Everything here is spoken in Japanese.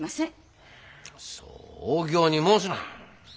そう大仰に申すな。